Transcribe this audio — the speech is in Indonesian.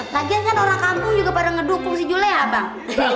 lagian kan orang kampung juga pada ngedukung si julea bang